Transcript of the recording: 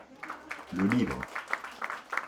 Le livre.